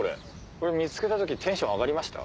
これ見つけた時テンション上がりました？